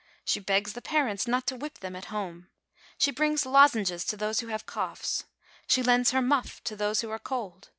She begs the parents not to whip them at home. She brings lozenges to those who have coughs. She lends her muff to those who are cold.